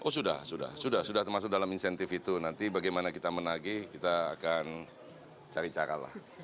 oh sudah sudah sudah sudah termasuk dalam insentif itu nanti bagaimana kita menagi kita akan cari caralah